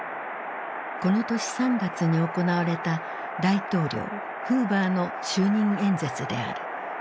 この年３月に行われた大統領フーバーの就任演説である。